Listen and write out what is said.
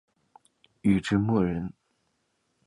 禹之谟人。